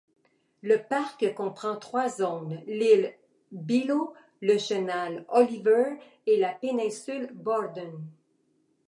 La parc comprend trois zones: l'île Bylot, le chenal Oliver et la péninsule Borden.